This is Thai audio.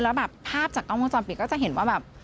แล้วภาพจากกล้องมือจอดเปลี่ยนก็จะเห็นว่าแบบ